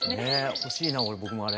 欲しいな僕もあれ。